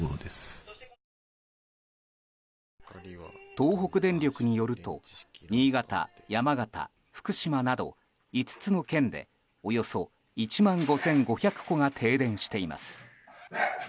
東北電力によると新潟、山形、福島など５つの県でおよそ１万５５００戸が停電しています。